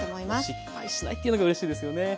失敗しないというのがうれしいですよね。